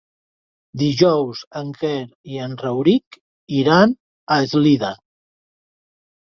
Dijous en Quer i en Rauric iran a Eslida.